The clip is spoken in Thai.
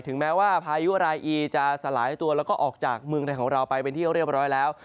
แม้ว่าพายุรายอีจะสลายตัวแล้วก็ออกจากเมืองไทยของเราไปเป็นที่เรียบร้อยแล้ว